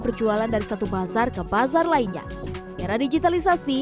berjualan dari satu pasar ke pasar lainnya era digitalisasi